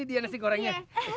ini dia nasi gorengnya